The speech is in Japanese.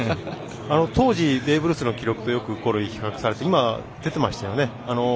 当時、ベーブ・ルースの記録と比較されて今、出ていましたよね。